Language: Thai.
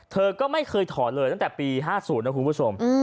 เธอก็ไม่เคยถอนเลยตั้งแต่ปี๕๐นะคุณผู้ชม